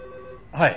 はい。